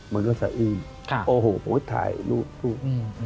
มันก็สะอื้นโอ้โหถ่ายรูป